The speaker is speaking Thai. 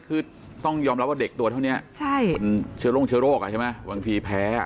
คือต้องยอมรับว่าเด็กตัวเท่านี้คนเชื้อโรคเชื้อโรคใช่ไหมบางทีแพ้